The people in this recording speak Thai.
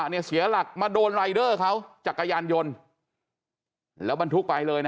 เนี่ยเสียหลักมาโดนรายเดอร์เขาจักรยานยนต์แล้วบรรทุกไปเลยนะ